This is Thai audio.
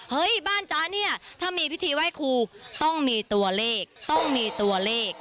บ้านจ๊ะเนี่ยถ้ามีพิธีไหว้ครูต้องมีตัวเลขต้องมีตัวเลข